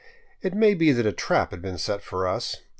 It may be that a trap had been set for us.